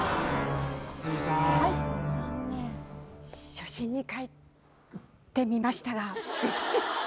初心に返ってみましたが。